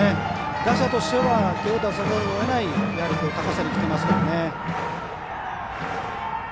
打者としては手を出さざるをえない高さにきてますからね。